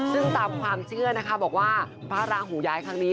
ซึ่งตามความเชื่อนะคะบอกว่าพระราหูย้ายครั้งนี้